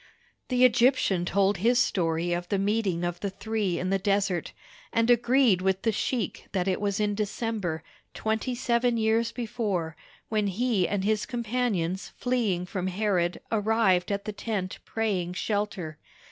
The Egyptian told his story of the meeting of the three in the desert, and agreed with the sheik that it was in December, twenty seven years before, when he and his companions fleeing from Herod arrived at the tent praying shelter.